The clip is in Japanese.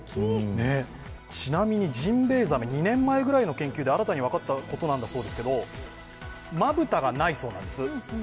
ちなみにジンベエザメ、２年くらい前の研究で新たに分かったことなんだそうですけどまぶたがないそうなんです。